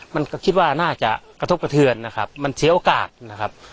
มันก็คิดว่าน่าจะกระทบกระเทือนนะครับมันเสียโอกาสนะครับ